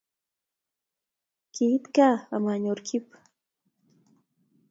Kiit ga amanyoor Kip